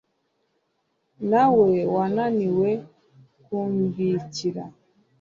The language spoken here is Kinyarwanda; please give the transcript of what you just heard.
Nawe wananiwe kumbikira